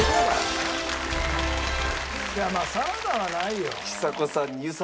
いやまあサラダはないよ。